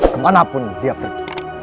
kemanapun dia pergi